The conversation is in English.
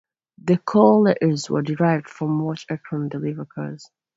The call letters were derived from "Watch Akron Deliver Cars".